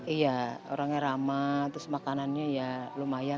iya orangnya ramah makannya lumayan